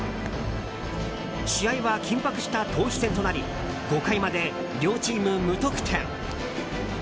試合は緊迫した投手戦となり５回まで両チーム無得点。